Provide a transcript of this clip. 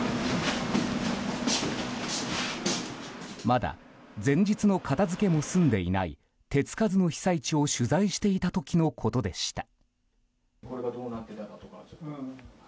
まだ前日の片付けも済んでいない手つかずの被災地を取材していた時のことでした。